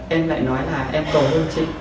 em lại nói là em cầu hôn chị